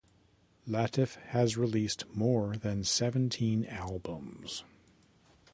Latiff has released more than seventeen albums.